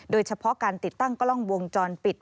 โดยเฉพาะการติดตั้งกล้องวงจรปิด